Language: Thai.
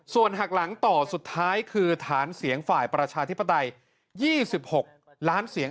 ส่วนหักหลังต่อสุดท้ายคือฐานเสียงฝ่ายประชาธิปไตย๒๖ล้านเสียง